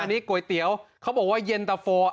อันนี้ก๋วยเตี๋ยวเขาบอกว่าเย็นตะโฟ